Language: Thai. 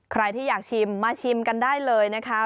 ใครที่อยากชิมมาชิมกันได้เลยนะคะ